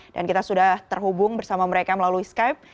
dan kita sudah terhubung bersama mereka melalui skype